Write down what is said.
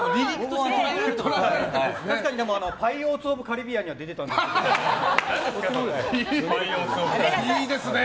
確かに「パイレーツ・オブ・カリビアン」にはいいですね！